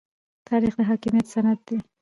تاریخ د حاکمیت سند دی.